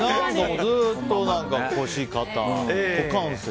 ずっと腰、肩、股関節。